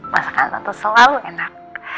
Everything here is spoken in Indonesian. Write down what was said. masakan tante selalu enak